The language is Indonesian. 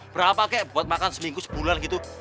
berapa kek buat makan seminggu sebulan gitu